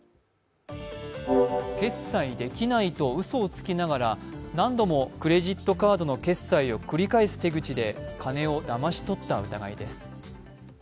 決済できないとうそをつきながら何度もクレジットカードの決済を繰り返す手口で金をだまし取った疑いです。